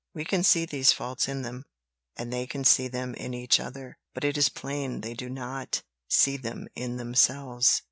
We can see these faults in them, and they can see them in each other; but it is plain they do not see them in themselves.